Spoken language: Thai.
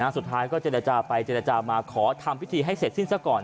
สุดท้ายก็เจรจาไปเจรจามาขอทำพิธีให้เสร็จสิ้นซะก่อน